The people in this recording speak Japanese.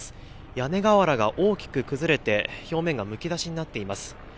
屋根瓦が大きく崩れて、表面がむき出しになっています。